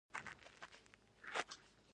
زعفران ګل ولې ګران دی؟